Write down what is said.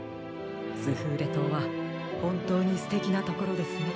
スフーレ島はほんとうにすてきなところですね。